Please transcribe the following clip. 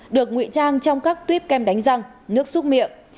được ngụy trang trong các tuyếp kem đánh răng nước xúc miệng